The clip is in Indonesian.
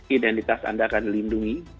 identitas anda akan dilindungi